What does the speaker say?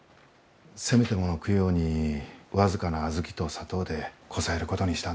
せめてもの供養に僅かな小豆と砂糖でこさえることにしたんです。